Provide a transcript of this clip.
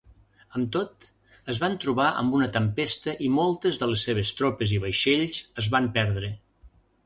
Amb tot, es van trobar amb una tempesta i moltes de les seves tropes i vaixells es van perdre.